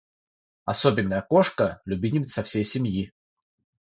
Особенная кошка - любимица всей семьи